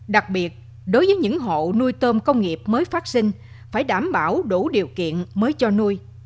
đặc biệt đối với những hộ nuôi tôm công nghiệp mới phát sinh phải đảm bảo đủ điều kiện mới cho nuôi